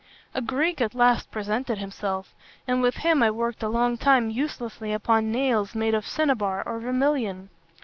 "A Greek at last presented himself; and with him I worked a long time uselessly upon nails made of cinnabar or vermilion.